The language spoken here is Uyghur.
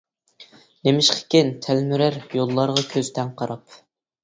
نېمىشقىكىن تەلمۈرەر، يوللارغا كۆز تەڭ قاراپ.